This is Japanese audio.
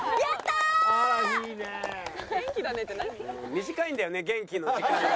短いんだよね元気の時間が。